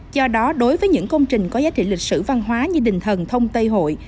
do đó đối với những công trình có giá trị lịch sử văn hóa như đình thần thông tây hội